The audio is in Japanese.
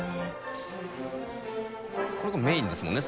これがメインですもんね